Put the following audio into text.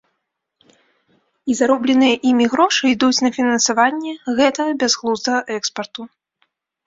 І заробленыя імі грошы ідуць на фінансаванне гэтага бязглуздага экспарту.